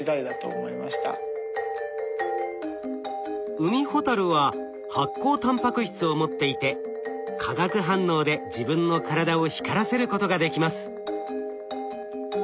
ウミホタルは発光タンパク質を持っていて化学反応で自分の体を光らせることができます。